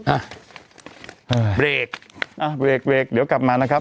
อ่ะเบรกอ่ะเบรกเบรกเดี๋ยวกลับมานะครับ